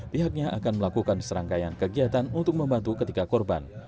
pihaknya akan melakukan serangkaian kegiatan untuk membantu ketiga korban